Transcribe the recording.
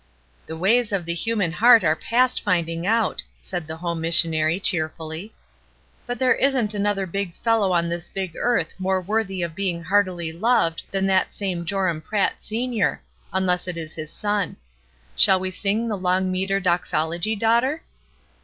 "The ways of the human heart are past finding out !" said the home missionary, cheer fully. "But there isn't another big fellow on this big earth more worthy of being heartily loved than that same Joram Pratt, senior; — unless it is his son. Shall we sing the long metre doxology, daughter?"